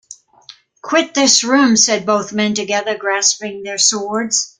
“Quit this room,” said both men together, grasping their swords.